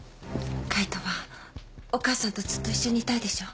海人はお母さんとずっと一緒にいたいでしょ？